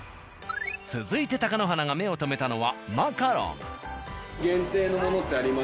続いて貴乃花が目を留めたのはマカロン。